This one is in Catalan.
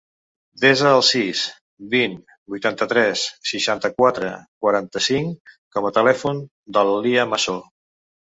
Desa el sis, vint, vuitanta-tres, seixanta-quatre, quaranta-cinc com a telèfon de la Lia Masso.